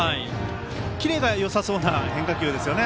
キレがよさそうな変化球ですね。